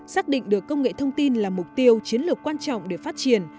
xác định được công nghệ thông tin là mục tiêu chiến lược quan trọng để phát triển